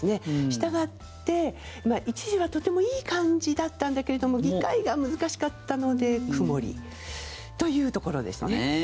したがって一時はとてもいい感じだったんだけども議会が難しかったので曇りというところですね。